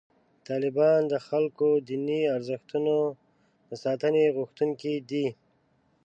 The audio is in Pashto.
طالبان د خلکو د دیني ارزښتونو د ساتنې غوښتونکي دي.